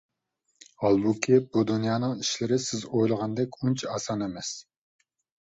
ھالبۇكى، بۇ دۇنيانىڭ ئىشلىرى سىز ئويلىغاندەك ئۇنچە ئاسان ئەمەس.